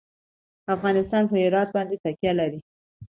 افغانستان په هرات باندې تکیه لري.